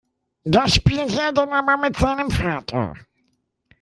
Das spielt er dann aber mit seinem Vater.